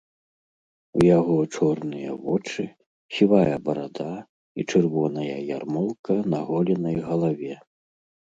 У яго чорныя вочы, сівая барада і чырвоная ярмолка на голенай галаве.